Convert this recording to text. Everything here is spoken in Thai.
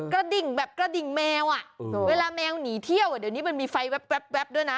ดิ่งแบบกระดิ่งแมวอ่ะเวลาแมวหนีเที่ยวเดี๋ยวนี้มันมีไฟแว๊บด้วยนะ